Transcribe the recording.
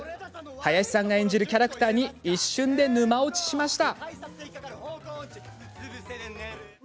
林さんが演じるキャラクターに一瞬で沼落ちしました。